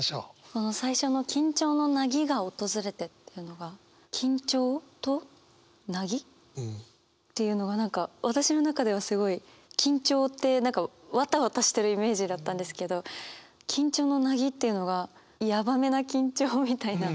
この最初の「緊張の凪が訪れて」っていうのが「緊張」と「凪」っていうのが何か私の中ではすごい緊張ってわたわたしてるイメージだったんですけど「緊張の凪」っていうのがやばめな緊張みたいな。